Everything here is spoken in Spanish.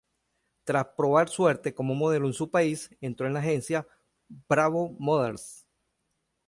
Tras probar suerte como modelo en su país, entró en la agencia Bravo Model.